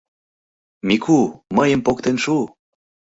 Мику, мыйым поктен шу!